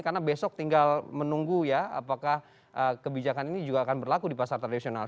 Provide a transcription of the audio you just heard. karena besok tinggal menunggu ya apakah kebijakan ini juga akan berlaku di pasar tradisional